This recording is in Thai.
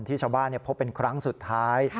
ที่ชาวบ้านพบเป็นครั้งสุดท้าย